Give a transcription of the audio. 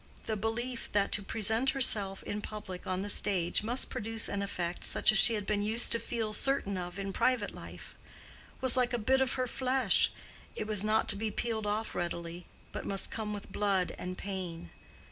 The belief that to present herself in public on the stage must produce an effect such as she had been used to feel certain of in private life, was like a bit of her flesh—it was not to be peeled off readily, but must come with blood and pain.